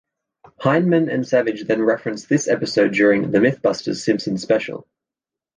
Hyneman and Savage then reference this episode during the "MythBusters" Simpsons special.